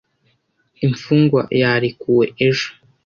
imfungwa yarekuwe ejo